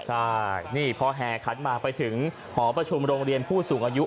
ใช่นี่พอแห่ขันหมากไปถึงหอประชุมโรงเรียนผู้สูงอายุ